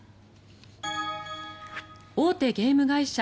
大手ゲーム会社